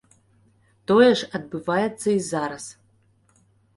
Тое ж адбываецца і зараз.